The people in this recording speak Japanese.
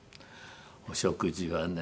お食事はね。